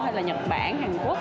hay là nhật bản hàn quốc